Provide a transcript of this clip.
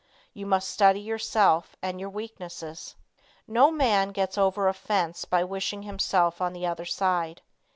You must study yourself and your weaknesses. No man gets over a fence by wishing himself on the other side.